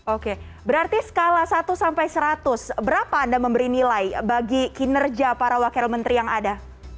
oke berarti skala satu sampai seratus berapa anda memberi nilai bagi kinerja para wakil menteri yang ada